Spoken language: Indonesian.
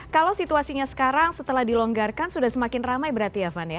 kalau situasinya sekarang setelah dilonggarkan sudah semakin ramai berarti ya van ya